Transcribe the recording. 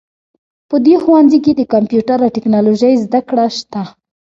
په دې ښوونځي کې د کمپیوټر او ټکنالوژۍ زده کړه شته